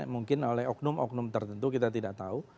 mungkin oleh oknum oknum tertentu kita tidak tahu